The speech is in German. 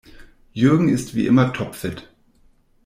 Jürgen ist wie immer topfit.